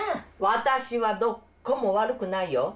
私はどっこも悪くないよ！